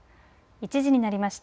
１時になりました。